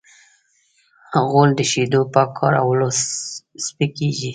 غول د شیدو په کارولو سپکېږي.